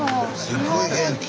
すごい元気。